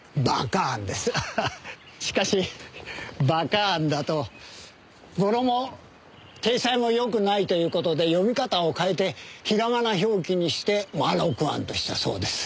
しかし馬鹿庵だと語呂も体裁もよくないという事で読み方を変えてひらがな表記にして「まろく庵」としたそうです。